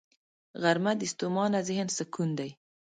غرمه د ستومانه ذهن سکون دی